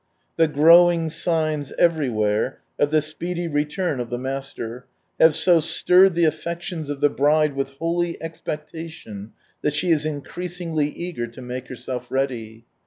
The growing signs everywhere of the speedy Return of the Master have so stirred the affections of the Bride with holy expectation, that she is increasingly eager to make herself ready.